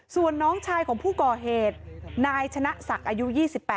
ส่วนน้องชายของผู้ก่อเหตุนายชนะศักดิ์อายุ๒๘